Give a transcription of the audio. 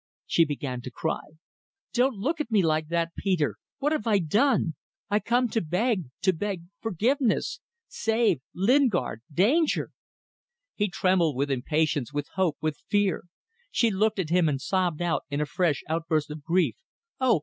She began to cry "Don't look at me like that, Peter. What have I done? I come to beg to beg forgiveness. ... Save Lingard danger." He trembled with impatience, with hope, with fear. She looked at him and sobbed out in a fresh outburst of grief "Oh!